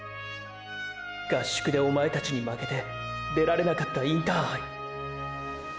合宿でおまえたちに負けて出られなかったインターハイ